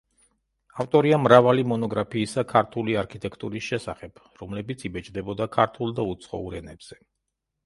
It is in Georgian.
ავტორია მრავალი მონოგრაფიისა ქართული არქიტექტურის შესახებ, რომლებიც იბეჭდებოდა ქართულ და უცხოურ ენებზე.